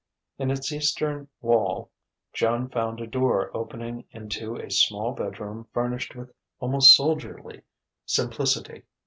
In its eastern wall Joan found a door opening into a small bedroom furnished with almost soldierly simplicity.